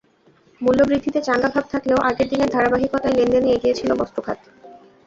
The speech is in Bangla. মূল্যবৃদ্ধিতে চাঙা ভাব থাকলেও আগের দিনের ধারাবাহিকতায় লেনদেনে এগিয়ে ছিল বস্ত্র খাত।